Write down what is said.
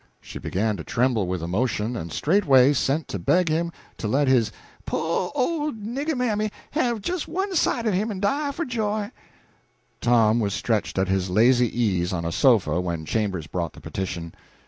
She began to tremble with emotion, and straightway sent to beg him to let his "po' ole nigger mammy have jes one sight of him en die for joy." Tom was stretched at his lazy ease on a sofa when Chambers brought the petition.